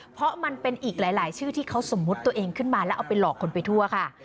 เพราะมันเป็นอีกหลายชื่อที่เขาสมมุติตัวเองขึ้นมาแล้วเอาไปหลอกคนไปทั่วค่ะ